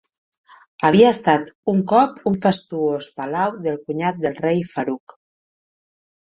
Havia estat un cop un fastuós palau del cunyat del rei Farouk.